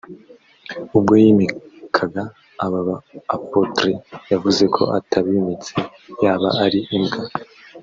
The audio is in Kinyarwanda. ubwo yimikaga aba ba Apotres yavuze ko atabimitse yaba ari imbwa